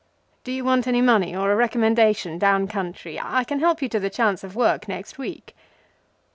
Do you want any money or a recommendation down country? I can help you to the chance of work next week."